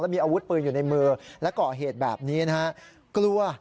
และมีอาวุธปืนอยู่ในมือและเกาะเหตุแบบนี้นะครับ